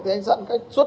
thế anh giãn cách xuất